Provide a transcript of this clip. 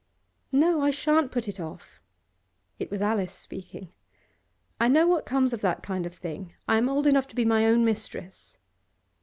'No, I shan't put it off.' It was Alice speaking. 'I know what comes of that kind of thing. I am old enough to be my own mistress.